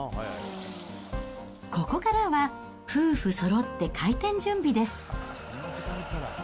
ここからは、夫婦そろって開店準備です。